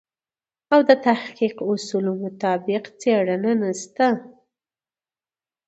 او د تحقیق اصولو مطابق څېړنه نشته دی.